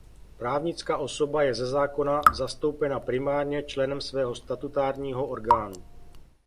Právnická osoba je ze zákona zastoupena primárně členem svého statutárního orgánu.